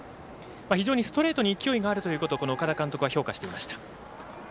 非常にストレートに勢いがあるということを岡田監督は評価していました。